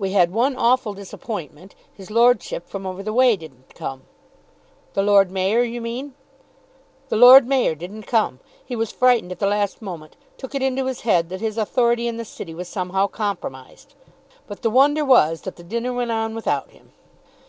"We had one awful disappointment. His lordship from over the way didn't come." "The Lord Mayor, you mean." "The Lord Mayor didn't come! He was frightened at the last moment; took it into his head that his authority in the City was somehow compromised. But the wonder was that the dinner went on without him."